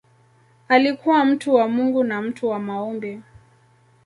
Alikuwa mtu wa Mungu na mtu wa maombi.